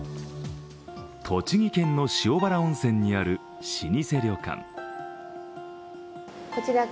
栃木県の塩原温泉にある老舗旅館。